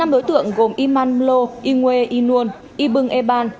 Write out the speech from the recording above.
năm đối tượng gồm iman mlo i nguê i nuôn i bưng e ban